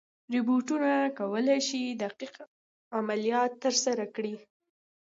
روبوټونه کولی شي دقیق عملیات ترسره کړي.